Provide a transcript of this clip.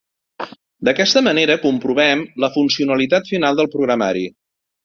D’aquesta manera comprovem la funcionalitat final del programari.